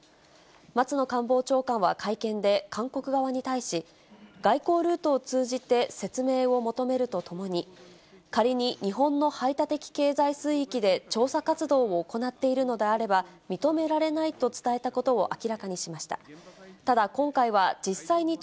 松野官房長官は会見で、韓国側に対し、外交ルートを通じて説明を求めるとともに、仮に日本の排他的経済水域で調査活動を行っているのであれば、全国の皆さん、こんばんは。